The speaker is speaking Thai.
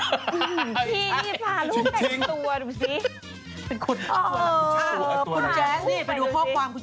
คนแจ๊คนั้นไปดูข้อความ